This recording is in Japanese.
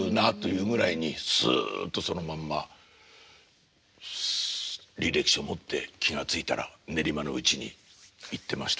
いうぐらいにすっとそのまんま履歴書持って気が付いたら練馬のうちに行ってましたね。